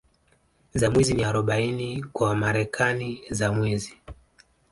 za Mwizi ni Arobaini kwa Wamarekani za mwizi